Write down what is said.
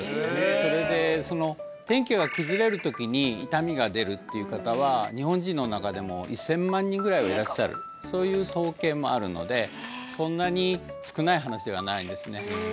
それで天気が崩れる時に痛みが出るっていう方は日本人の中でも１０００万人ぐらいはいらっしゃるそういう統計もあるのでそんなに少ない話ではないんですね